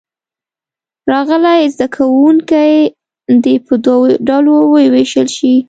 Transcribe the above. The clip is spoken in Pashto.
راغلي زده کوونکي دې په دوو ډلو ووېشل شي.